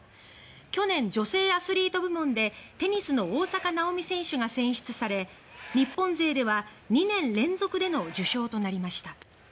去年、女性アスリート部門でテニスの大坂なおみ選手が選出され日本勢では２年連続での受賞となりました。